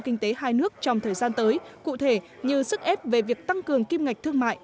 kinh tế hai nước trong thời gian tới cụ thể như sức ép về việc tăng cường kim ngạch thương mại